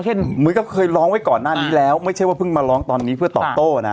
เหมือนกับเคยร้องไว้ก่อนหน้านี้แล้วไม่ใช่ว่าเพิ่งมาร้องตอนนี้เพื่อตอบโต้นะ